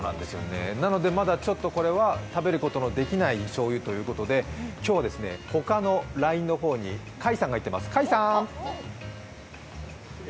なのでまだこれは食べることのできないしょうゆということで今日は、他のラインの方に甲斐さんが行っています。